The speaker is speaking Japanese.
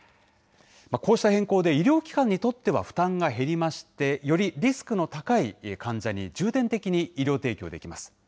こうした変更で、医療機関にとっては負担が減りまして、よりリスクの高い患者に重点的に医療提供できます。